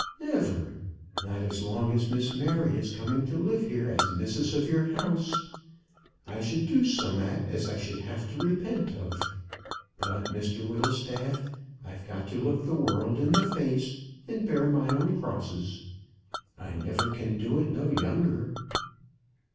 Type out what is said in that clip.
Never; not as long as Miss Mary is coming to live here as missus of your house. I should do summat as I should have to repent of. But, Mr Whittlestaff, I've got to look the world in the face, and bear my own crosses. I never can do it no younger."